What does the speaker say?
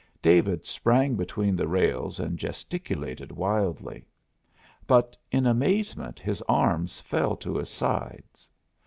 David sprang between the rails and gesticulated wildly. But in amazement his arms fell to his sides.